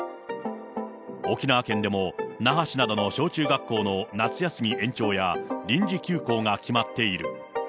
沖縄県でも那覇市などの小中学校の夏休み延長や、臨時休校が決まっている。